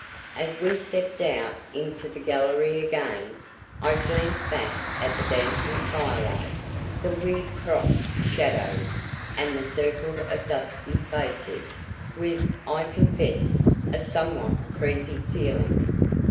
As we stepped out into the gallery again, I glanced back at the dancing firelight, the weird cross shadows, and the circle of dusky faces, with, I confess, a somewhat creepy feeling.